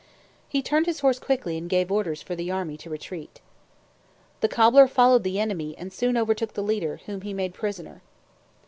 He turned his horse quickly and gave orders for the army to retreat. The cobbler followed the enemy and soon overtook the leader, whom he made prisoner.